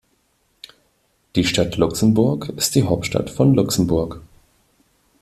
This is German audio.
Die Stadt Luxemburg ist die Hauptstadt von Luxemburg.